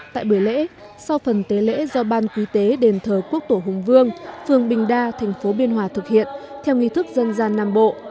tại buổi lễ sau phần tế lễ do ban quý tế đền thờ quốc tổ hùng vương phường bình đa thành phố biên hòa thực hiện theo nghi thức dân gian nam bộ